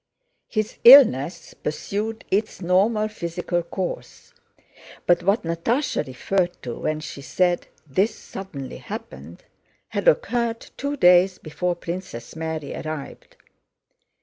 His illness pursued its normal physical course, but what Natásha referred to when she said: "This suddenly happened," had occurred two days before Princess Mary arrived.